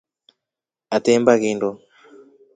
Atemba kindo.